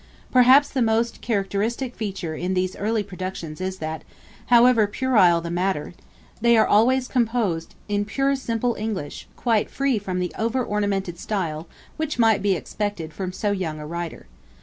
Perhaps the most characteristic feature in these early productions is that, however puerile the matter, they are always composed in pure simple English, quite free from the over ornamented style which might be expected from so young a writer.